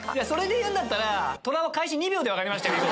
それで言うんだったらトラは開始２秒で分かりました。